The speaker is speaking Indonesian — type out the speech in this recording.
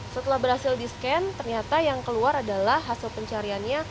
setelah berhasil di scan ternyata yang keluar adalah hasil pencariannya